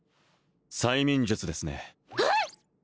催眠術ですねえっ！？